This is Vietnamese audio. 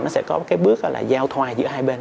nó sẽ có cái bước là giao thoại giữa hai bên